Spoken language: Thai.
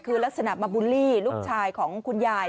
คือลักษณะมาบูลลี่ลูกชายของคุณยาย